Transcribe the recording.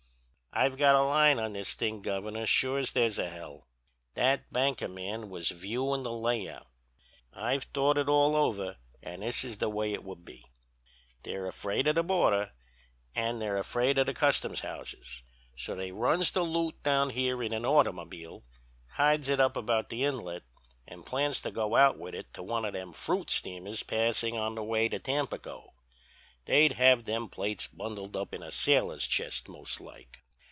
"'I've got a line on this thing, Governor, sure as there's a hell. That banker man was viewin' the layout. I've thought it all over, an' this is the way it would be. They're afraid of the border an' they're afraid of the customhouses, so they runs the loot down here in an automobile, hides it up about the Inlet, and plans to go out with it to one of them fruit steamers passing on the way to Tampico. They'd have them plates bundled up in a sailor's chest most like.